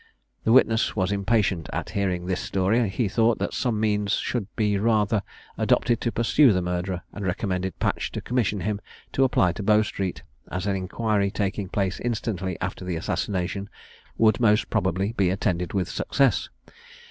The witness was impatient at hearing this story; he thought that some means should be rather adopted to pursue the murderer, and recommended Patch to commission him to apply to Bow street, as an inquiry taking place instantly after the assassination would most probably be attended with success.